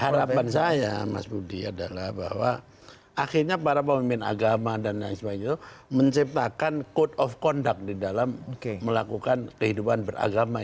harapan saya mas budi adalah bahwa akhirnya para pemimpin agama dan lain sebagainya itu menciptakan code of conduct di dalam melakukan kehidupan beragama